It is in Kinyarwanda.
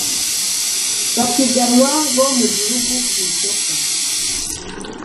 Bapiganwa Bo Mu Gihugu Ku Isoko